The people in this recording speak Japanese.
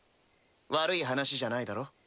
悪い話じゃないだろ？